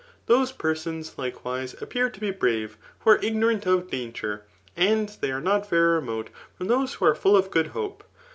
Those persons, like wise, appear to be brave, who are ignorant of danger ; and they are not very remote from those who are full of good hope.